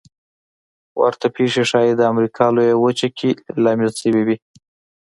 ورته پېښې ښايي د امریکا لویه وچه کې لامل شوې وي.